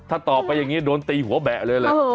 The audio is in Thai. ถ้าตอบไปอย่างนี้ต้องตีหัวแม่เลยเลย